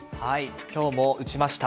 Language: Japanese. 今日も打ちました。